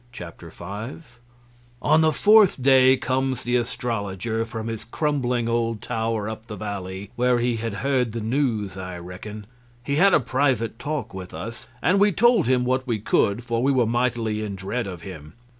Chapter 5 On the fourth day comes the astrologer from his crumbling old tower up the valley, where he had heard the news, I reckon. He had a private talk with us, and we told him what we could, for we were mightily in dread of him.